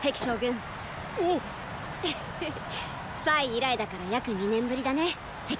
以来だから約二年ぶりだね壁。